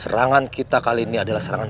serangan kita kali ini adalah serangan